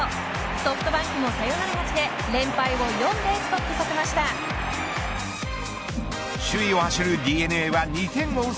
ソフトバンクもサヨナラ勝ちで連敗を首位を走るＤｅＮＡは２点を追う